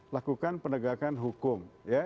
lakukan penegakan hukum ya